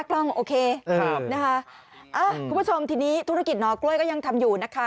คุณผู้ชมที่นี้ธุรกิจนอกกล้วยก็ยังทำอยู่นะคะ